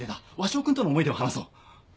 鷲尾君との思い出を話そう。